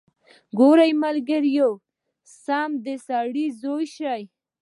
ګوره ملګريه سم د سړي زوى شه.